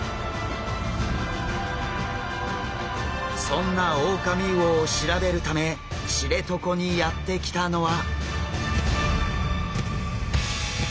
そんなオオカミウオを調べるため知床にやって来たのは。